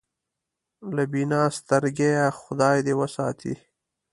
له بینا سترګېه خدای دې وساتي.